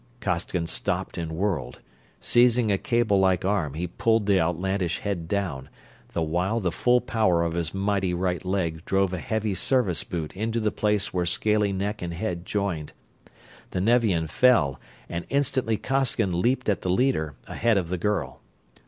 Costigan stopped and whirled. Seizing a cable like arm, he pulled the outlandish head down, the while the full power of his mighty right leg drove a heavy service boot into the place where scaly neck and head joined. The Nevian fell, and instantly Costigan leaped at the leader, ahead of the girl.